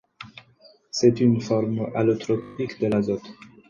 C'est une forme allotropique de l'azote.